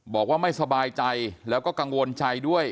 บอกว่าไม่สบายใจแล้วก็กังวลใจด้วย